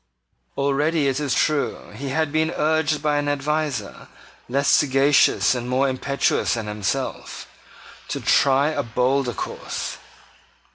Already, it is true, he had been urged by an adviser, less sagacious and more impetuous than himself, to try a bolder course.